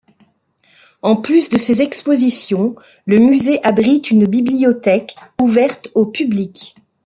En plus de ses expositions, le musée abrite une bibliothèque, ouverte au public.